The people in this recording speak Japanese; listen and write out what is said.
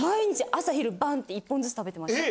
朝昼晩って１本ずつ食べてました。